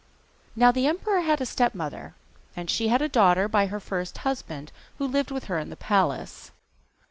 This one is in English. Now the emperor had a stepmother, and she had a daughter by her first husband, who lived with her in the palace.